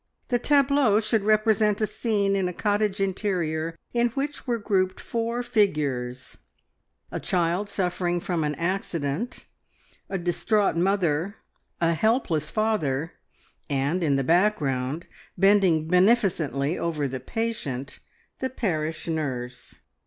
The tableau should represent a scene in a cottage interior in which were grouped four figures a child suffering from an accident, a distraught mother, a helpless father, and in the background, bending beneficently over the patient, the parish nurse.